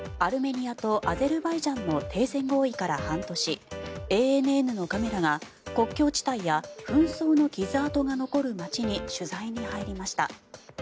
アルメニアとアゼルバイジャンの停戦合意から半年ＡＮＮのカメラが国境地帯や紛争の傷痕が残る街に取材に入りました。